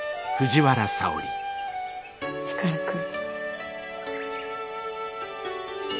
光くん。